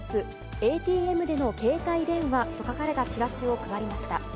ＡＴＭでの携帯電話と書かれたチラシを配りました。